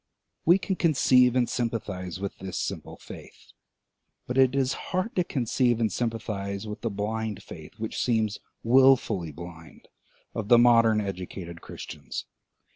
We can conceive and sympathise with this simple faith; but it is hard to conceive and sympathise with the blind faith, which seems wilfully blind, of the modem educated Christians.